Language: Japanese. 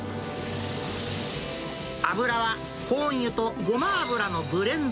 油はコーン油とごま油のブレンド。